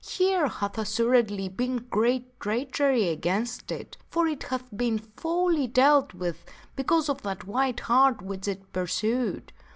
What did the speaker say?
Here hath assuredly been great treachery against it ; for it hath been foully dealt with because of that white hart which it pursued.